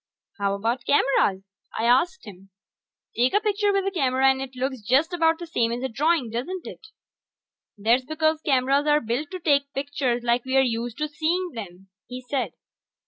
"How about cameras?" I asked him. "Take a picture with a camera and it looks just about the same as a drawing, don't it?" "That's because cameras are built to take pictures like we're used to seeing them," he said.